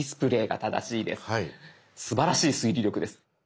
すばらしい推理力です。